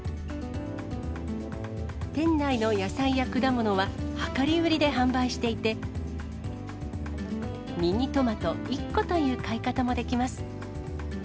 店内の野菜や果物は量り売りで販売していて、ミニトマト１個という買い方もできます。